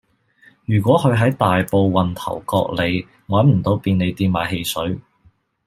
如果佢喺大埔運頭角里搵唔到便利店買汽水